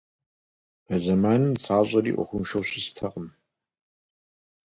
А зэманым нысащӀэри Ӏуэхуншэу щыстэкъым.